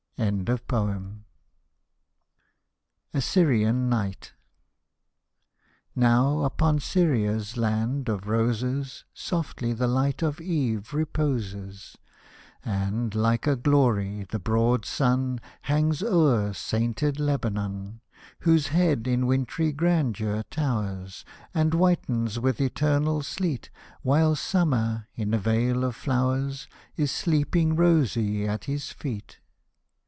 K Hosted by Google I30 LALLA ROOKH A SYRIAN NIGHT Now, upon Syria's land of roses Softly the light of Eve reposes, And, like a glory, the broad sun Hangs over sainted Lebanon ; Whose head in wintry grandeur towers, And whitens with eternal sleet. While summer, in a vale of flowers. Is sleeping rosy at his feet.